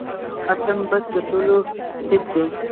اتم بست تر ټولو ټیټ دی